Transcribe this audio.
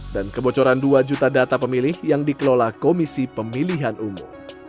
dan kebocoran dua juta data pemilih yang dikelola komisi pemilihan umum